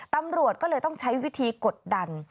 ตำรวจก็เลยต้องใช้วิธีกดดัน